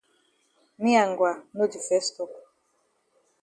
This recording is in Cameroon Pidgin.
Me and Ngwa no di fes tok.